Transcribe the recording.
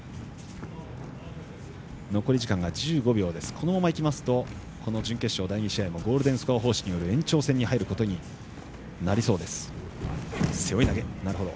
このままいきますとこの準決勝第２試合もゴールデンスコア方式による延長戦に入ることになります。